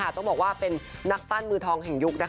ต้องบอกว่าเป็นนักปั้นมือฮฮยุกส์